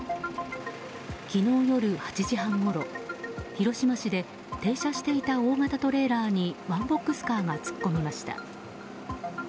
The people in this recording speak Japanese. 昨日夜８時半ごろ広島市で停車していた大型トレーラーにワンボックスカーが突っ込みました。